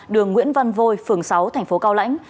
đường nguyễn văn vôi phường sáu thành phố cao lãnh